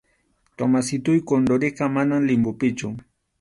Tomasitoy Condoriqa, manam limbopichu.